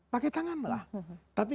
pakai tangan lah tapi